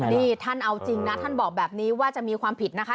นี่ท่านเอาจริงนะท่านบอกแบบนี้ว่าจะมีความผิดนะคะ